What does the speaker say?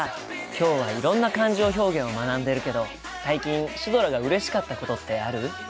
今日はいろんな感情表現を学んでいるけど最近シュドラがうれしかったことってある？